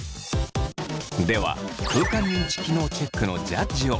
では空間認知機能チェックのジャッジを。